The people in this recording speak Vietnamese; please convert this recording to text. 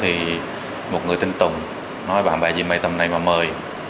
thì một người tên tùng nói bạn bè gì mấy tầm này mà mời